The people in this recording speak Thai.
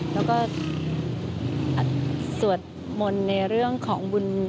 แล้วก็สวดมนต์ในเรื่องของบุญ